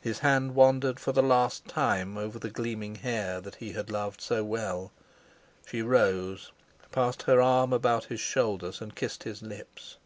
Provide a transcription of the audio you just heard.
His hand wandered for the last time over the gleaming hair that he had loved so well. She rose, passed her arm about his shoulders, and kissed his lips.